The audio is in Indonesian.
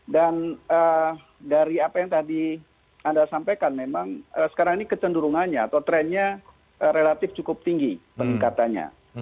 dan dari apa yang tadi anda sampaikan memang sekarang ini kecenderungannya atau trennya relatif cukup tinggi peningkatannya